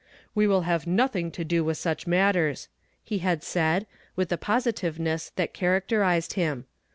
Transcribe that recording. " We will liave nothing to do with such mat ters," he had said, with the positiveness that char acterized him.